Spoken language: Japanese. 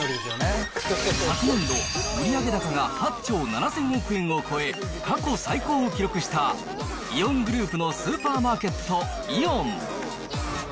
昨年度、売上高が８兆７０００億円を超え、過去最高を記録したイオングループのスーパーマーケット、イオン。